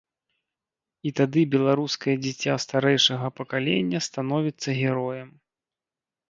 І тады беларускае дзіця старэйшага пакалення становіцца героем.